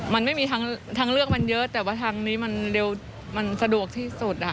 มันไม่มีทางเลือกมันเยอะแต่ว่าทางนี้มันเร็วมันสะดวกที่สุด